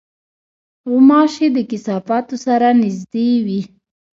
غوماشې د کثافاتو سره نزدې وي.